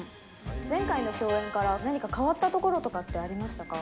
前回の共演から何か変わったところとかってありましたか？